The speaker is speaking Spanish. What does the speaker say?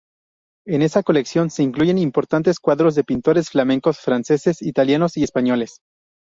En esa colección se incluyen importantes cuadros de pintores flamencos, franceses, italianos y españoles.